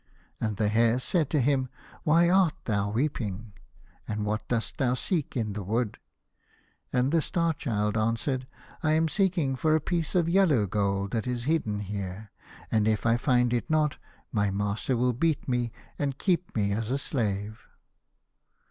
And the Hare said to him, "Why art thou weeping ? And what dost thou seek in the wood ?" And the Star Child answered, " I am seek ing for a piece of yellow gold that is hidden here, and if I find it not my master will beat me, and keep me as a slave."